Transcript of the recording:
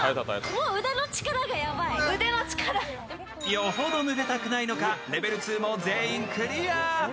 よほどぬれたくないのかレベル２も全員クリア。